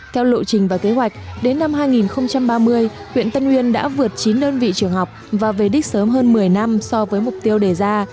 theo lộ trình và kế hoạch đến năm hai nghìn ba mươi huyện tân uyên đã vượt chín đơn vị trường học và về đích sớm hơn một mươi năm so với mục tiêu đề ra